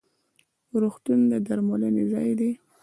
روغتون د درملنې ځای دی